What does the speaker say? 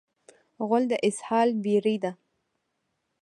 غول د اسهال بېړۍ ده.